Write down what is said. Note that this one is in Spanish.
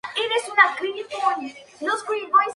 Estudió la carrera de derecho.